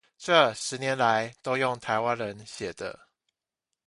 這十年來都用台灣人寫的